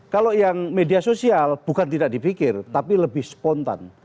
kalau yang media sosial bukan tidak dipikir tapi lebih spontan